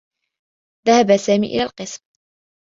ذهب سامي إلى القسم.